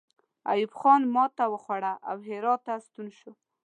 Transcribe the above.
ایوب خان ماته وخوړه او هرات ته ستون شو.